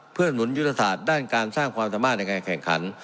เพื่อหนุนยุทธศาสตร์ด้านการสร้างความสามารถในการแข่งขัน